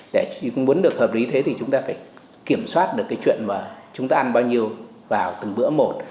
để muốn được hợp lý thế thì chúng ta phải kiểm soát được cái chuyện mà chúng ta ăn bao nhiêu vào từng bữa một